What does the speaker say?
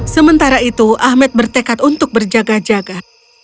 sementara itu ahmed bertekad untuk berjaga jaga